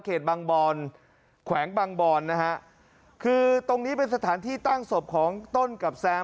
บางบอนแขวงบางบอนนะฮะคือตรงนี้เป็นสถานที่ตั้งศพของต้นกับแซม